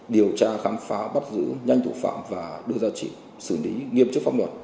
để được điều tra khám phá bắt giữ